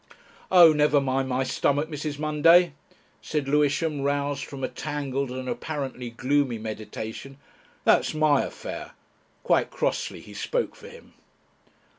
"Oh, never mind my stomach, Mrs. Munday," said Lewisham, roused from a tangled and apparently gloomy meditation; "that's my affair." Quite crossly he spoke for him.